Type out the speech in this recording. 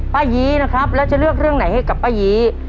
ป้ายีนะครับแล้วจะเลือกเรื่องไหนให้กับป้ายี